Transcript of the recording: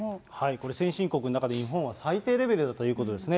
これ、先進国の中で日本は最低レベルだということですね。